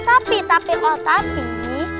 tapi tapi oh tapi